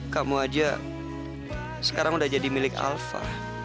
kamu aja sekarang udah jadi milik alpha